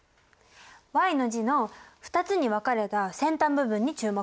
Ｙの字の２つに分かれた先端部分に注目。